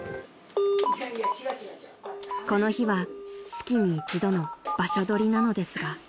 ［この日は月に一度の場所取りなのですが］